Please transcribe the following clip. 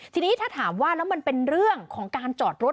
ทีนี้ถ้าถามว่าแล้วมันเป็นเรื่องของการจอดรถ